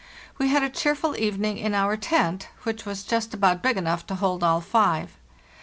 We had a cheerful evening in our tent, which was just about big enough to hold all five.